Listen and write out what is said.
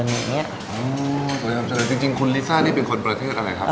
เคยนำเสนอจริงคุณลิซ่านี่เป็นคนประเทศอะไรครับ